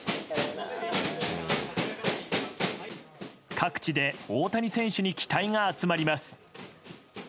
各地で大谷選手に期待が集まります。